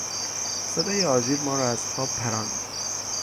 صدای آژیر ما را از خواب پراند.